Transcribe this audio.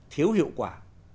thiếu hiệu quả